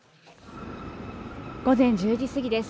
午前１０時過ぎです。